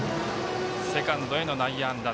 セカンドへの内野安打。